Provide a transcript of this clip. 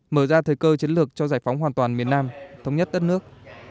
mở ra thời cơ chiến lược cho giải phóng hoàn toàn miền nam thống nhất đất nước